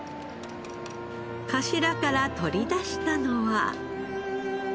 カシラから取り出したのは。